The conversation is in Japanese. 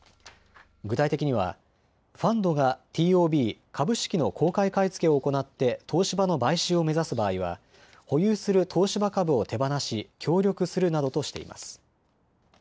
具体的には、ファンドがＴＯＢ・株式の公開買い付けを行って東芝の買収を目指す場合は保有する東芝株を手放し協力するなどとしています。